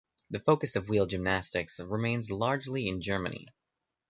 The focus of wheel gymnastics remains largely in Germany.